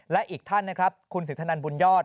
และอีกท่านนะครับคุณสิทธนันบุญยอด